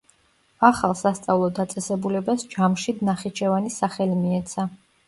ახალ სასწავლო დაწესებულებას ჯამშიდ ნახიჩევანის სახელი მიეცა.